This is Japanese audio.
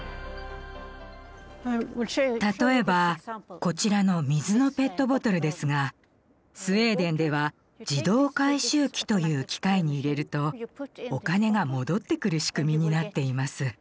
例えばこちらの水のペットボトルですがスウェーデンでは「自動回収機」という機械に入れるとお金が戻ってくる仕組みになっています。